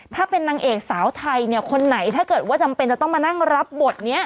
ถ้าเป็นนางเอกสาวไทยเนี่ยคนไหนถ้าเกิดว่าจำเป็นจะต้องมานั่งรับบทนี้